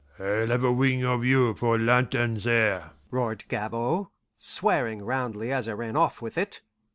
"I'll have a wing of you for lantern there!" roared Gabord, swearing roundly as I ran off with it.